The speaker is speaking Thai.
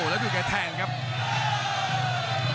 คมทุกลูกจริงครับโอ้โห